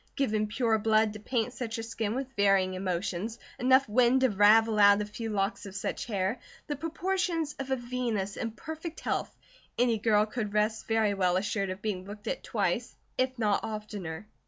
Given pure blood to paint such a skin with varying emotions, enough wind to ravel out a few locks of such hair, the proportions of a Venus and perfect health, any girl could rest very well assured of being looked at twice, if not oftener.